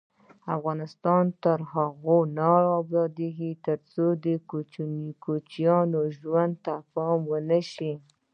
افغانستان تر هغو نه ابادیږي، ترڅو د کوچیانو ژوند ته پام ونشي.